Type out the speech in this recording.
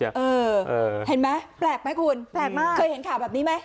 เห็นมั้ยแปลกมั้ยคุณเสจเห็นข่าวแบบนี้ไหม